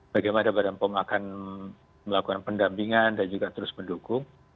bagaimana badan pom akan melakukan pendampingan dan juga terus mendukung